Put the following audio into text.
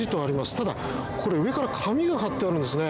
ただ、上から紙が貼ってあるんですね。